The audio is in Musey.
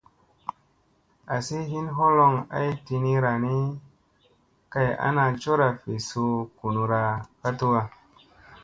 Azi hin holoŋ ay tinirani, kay ana cora vl suu gunura ka tuwa.